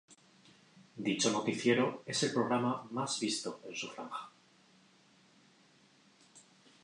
Dicho noticiero es el programa más visto en su franja.